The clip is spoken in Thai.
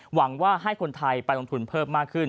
หวังว่าให้คนไทยไปลงทุนเพิ่มมากขึ้น